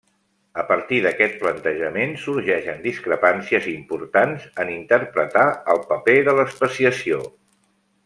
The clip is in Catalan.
A partir d'aquest plantejament sorgeixen discrepàncies importants en interpretar el paper de l'especiació.